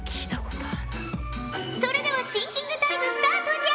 それではシンキングタイムスタートじゃ！